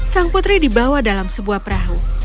sang putri dibawa dalam sebuah perahu